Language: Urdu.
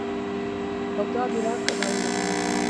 بغداد عراق کا دار الحکومت